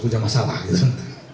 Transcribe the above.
punya masalah gitu